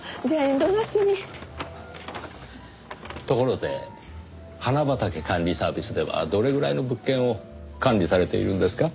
ところで花畑管理サービスではどれぐらいの物件を管理されているんですか？